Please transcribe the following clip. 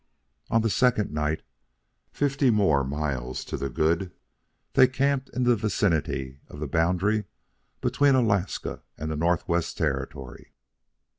On the second night, fifty more miles to the good, they camped in the vicinity of the boundary between Alaska and the Northwest Territory.